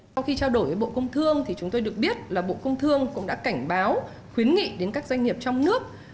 sau khi trao đổi với bộ công thương thì chúng tôi được biết là bộ công thương cũng đã cảnh báo khuyến nghị đến các doanh nghiệp trong nước